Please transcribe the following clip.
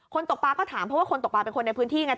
ตกปลาก็ถามเพราะว่าคนตกปลาเป็นคนในพื้นที่ไง